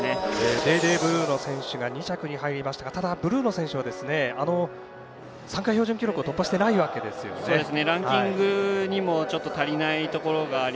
デーデーブルーノ選手が２着に入りましたがブルーノ選手は参加標準記録を突破してないわけですよね。